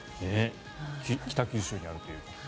北九州にあるということです。